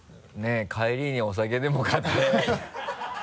帰りにお酒でも買って